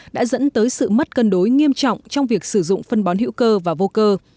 đã dẫn tới sự mất cân đối nghiêm trọng trong việc sử dụng phân bón hữu cơ và vô cơ